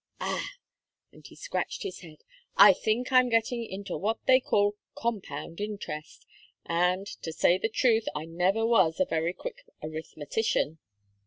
Ah!" and he scratched his head. "I think I am getting into what they call compound interest, and, to say the truth, I never was a very quick arithmetician.